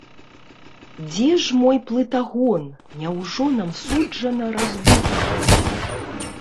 Дзе ж мой плытагон, няўжо нам суджана разлука?